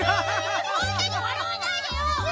そんなにわらわないでよ！